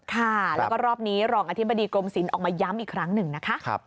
ค่ะแล้วก็รอบนี้รองอธิบดีกรมศิลป์ออกมาย้ำอีกครั้งหนึ่งนะคะ